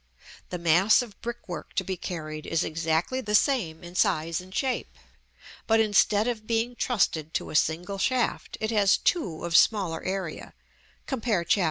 The mass of brickwork to be carried is exactly the same in size and shape; but instead of being trusted to a single shaft, it has two of smaller area (compare Chap.